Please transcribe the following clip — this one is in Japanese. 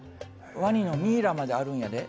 ワニのミイラまであるんやで。